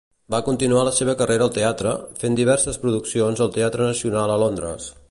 Va continuar la seva carrera al teatre, fent diverses produccions al Teatre Nacional a Londres.